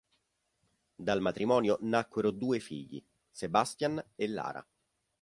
Dal matrimonio nacquero due figli, Sebastian e Lara.